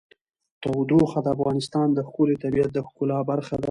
تودوخه د افغانستان د ښکلي طبیعت د ښکلا برخه ده.